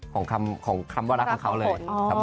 ของคำว่ารักของเขาเลย